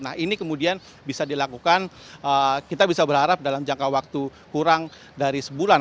nah ini kemudian bisa dilakukan kita bisa berharap dalam jangka waktu kurang dari sebulan